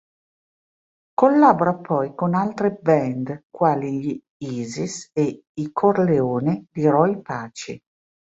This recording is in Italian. Collabora poi con altre band quali gli Isis e i Corleone di Roy Paci.